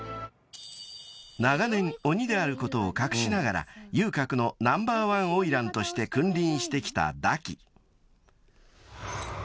［長年鬼であることを隠しながら遊郭のナンバーワン花魁として君臨してきた堕姫］